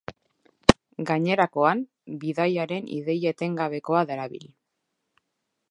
Gainerakoan, bidaiaren ideia etengabekoa darabil.